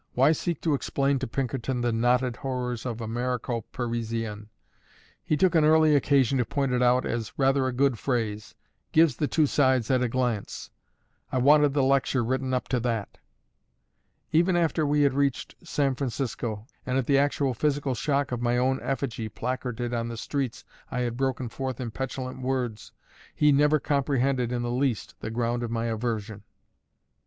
why seek to explain to Pinkerton the knotted horrors of "Americo Parisienne"? He took an early occasion to point it out as "rather a good phrase; gives the two sides at a glance: I wanted the lecture written up to that." Even after we had reached San Francisco, and at the actual physical shock of my own effigy placarded on the streets I had broken forth in petulant words, he never comprehended in the least the ground of my aversion.